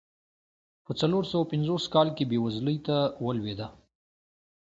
په څلور سوه پنځوس کال کې بېوزلۍ ته ولوېده.